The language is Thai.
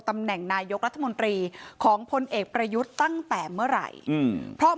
ตำแหน่งนายกรัฐมนตรีของพลเอกประยุทธ์ตั้งแต่เมื่อไหร่เพราะ